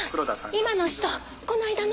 今の人この間の？